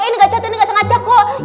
ini gak cocok ini gak sengaja kok